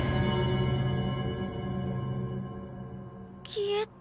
消えた。